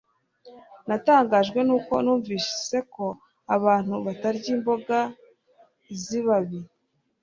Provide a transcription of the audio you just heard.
Natangajwe nuko numvise ko abantu batarya imboga zibabi